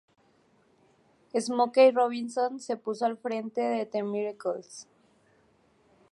Smokey Robinson se puso al frente de The Miracles.